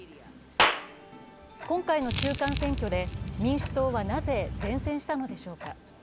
今回の中間選挙で民主党は、なぜ善戦したのでしょうか。